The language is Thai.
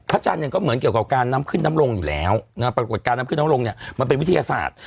จันทร์เนี่ยก็เหมือนเกี่ยวกับการน้ำขึ้นน้ำลงอยู่แล้วนะปรากฏการณ์ขึ้นน้ำลงเนี่ยมันเป็นวิทยาศาสตร์